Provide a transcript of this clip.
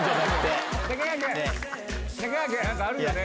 何かあるよね？